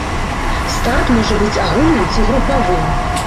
Старт можа быць агульным ці групавым.